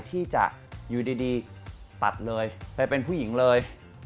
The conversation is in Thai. ที่จะอยู่ดีตัดเลยไปเป็นผู้หญิงเลย